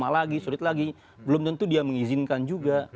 lima lagi sulit lagi belum tentu dia mengizinkan juga